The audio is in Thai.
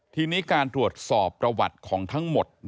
ทีนี้การตรวจสอบประวัติของทั้งหมด